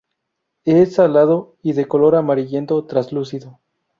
Es salado y de color amarillento traslúcido.